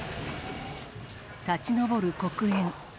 立ち上る黒煙。